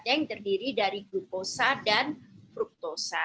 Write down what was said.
yang terdiri dari glukosa dan fruktosa